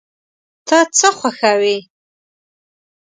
ته څه خوښوې؟